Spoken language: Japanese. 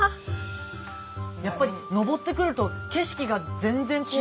やっぱり上ってくると景色が全然。